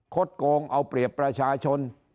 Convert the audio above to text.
โกงเอาเปรียบประชาชน